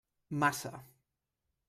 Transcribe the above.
Massa.